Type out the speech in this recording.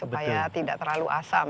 supaya tidak terlalu asam